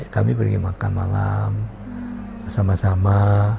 kami pergi makan malam bersama sama